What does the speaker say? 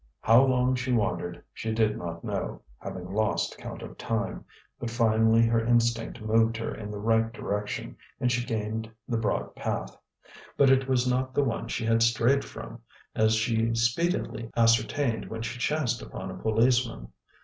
How long she wandered she did not know, having lost count of time, but finally her instinct moved her in the right direction, and she gained the broad path. But it was not the one she had strayed from, as she speedily ascertained when she chanced upon a policeman.